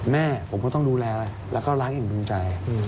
แม่ผมก็ต้องดูแลแล้วก็ร้ายแห่งดวงใจ